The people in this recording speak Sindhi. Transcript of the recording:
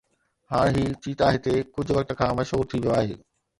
هاڻ هي چيتا هتي ڪجهه وقت کان مشهور ٿي ويو آهي